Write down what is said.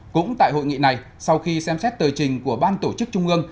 cũng tại hội nghị này sau khi xem xét tờ trình của ban tổ chức trung ương